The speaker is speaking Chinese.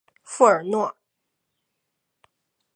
富尔诺。